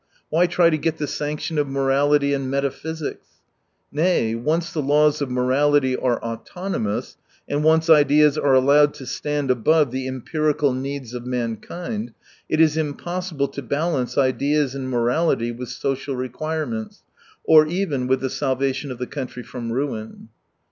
Why try to get the sanction of morality and metaphysics ? Nay, once the laws of morality are autonomous, and once ideas are allowed to stand above the em piriqal needs of mankind, it is impossible to balance ideas and morality with social requirements, or even with the salvation of the dountry from ruin.